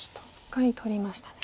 １回取りましたね。